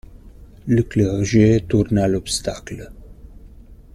Le clergé tourna l'obstacle.